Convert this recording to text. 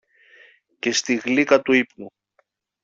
και στη γλύκα του ύπνου